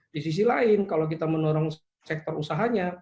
di sisi lain kalau kita menorong sektor usahanya